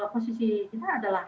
posisi kita adalah